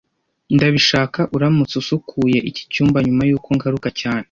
Ndabishaka uramutse usukuye iki cyumba nyuma yuko ngaruka cyane